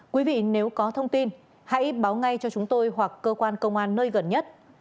quý vị nếu có thông tin hãy báo ngay cho chúng tôi hoặc cơ quan công an nơi gần nhất